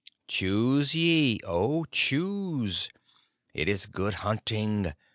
Choose ye, O choose. It is good hunting!